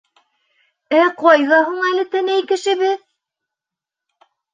Ә ҡайҙа һуң әле тәнәй кешебеҙ?